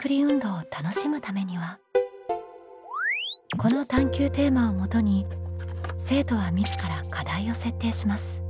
この探究テーマをもとに生徒は自ら課題を設定します。